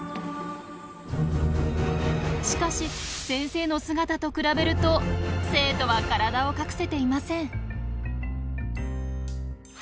しかし先生の姿と比べると生徒は体を隠せていません。